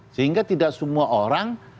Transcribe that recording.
sehingga tidak semua orang